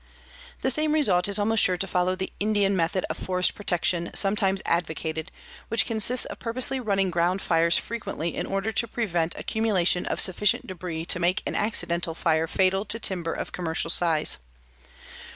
The same result is almost sure to follow the "Indian" method of forest protection sometimes advocated, which consists of purposely running ground fires frequently in order to prevent accumulation of sufficient debris to make an accidental fire fatal to timber of commercial size.